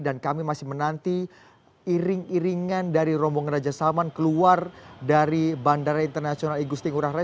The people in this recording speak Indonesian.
dan kami masih menanti iring iringan dari rombongan raja salman keluar dari bandara internasional igusti ngurah raya